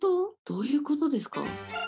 どういうことですか？